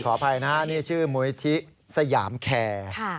ขออภัยนะนี่ชื่อมวยทิสยามแข่